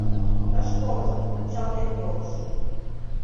Ыш колышт, мунчалтен волыш...